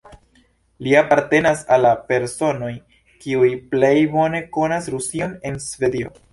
Li apartenas al la personoj, kiuj plej bone konas Rusion en Svedio.